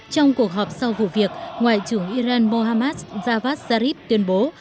trong cuộc họp sau vụ việc ngoại trưởng iran mohammad javad zarif tuyên bố